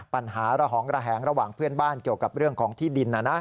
ระหองระแหงระหว่างเพื่อนบ้านเกี่ยวกับเรื่องของที่ดิน